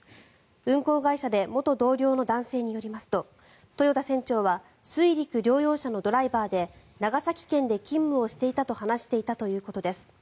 運航会社で元同僚の男性によりますと豊田船長は水陸両用車のドライバーで長崎県で勤務していたと話していたということです。